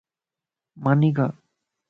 ماني کا